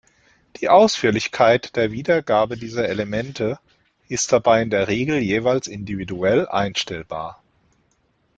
Die Ausführlichkeit der Wiedergabe dieser Elemente ist dabei in der Regel jeweils individuell einstellbar.